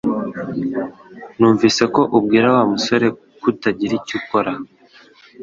Numvise ko ubwira Wa musore kutagira icyo ukora